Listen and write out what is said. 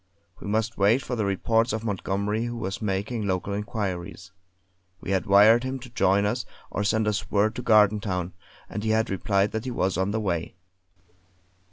We must wait for the reports of Montgomery who was making local inquiries. We had wired him to join us, or send us word to Gardentown; and he had replied that he was on the way.